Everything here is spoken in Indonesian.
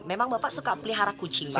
memang bapak suka pelihara kucing pak